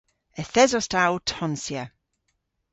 Yth esos ta ow tonsya.